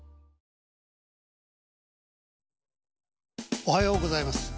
おはようございます。